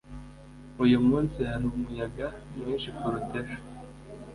uyu munsi hari umuyaga mwinshi kuruta ejo